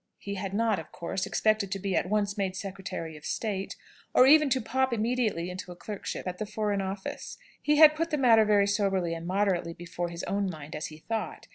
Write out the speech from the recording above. He had not, of course, expected to be at once made Secretary of State, or even to pop immediately into a clerkship at the Foreign Office. He had put the matter very soberly and moderately before his own mind, as he thought.